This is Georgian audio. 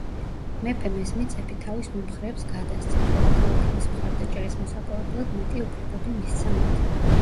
მეფემ ეს მიწები თავის მომხრეებს გადასცა, ხოლო ქალაქების მხარდაჭერის მოსაპოვებლად, მეტი უფლებები მისცა მათ.